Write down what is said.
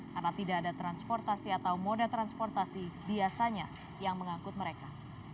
karena tidak ada transportasi atau moda transportasi biasanya yang mengangkut mereka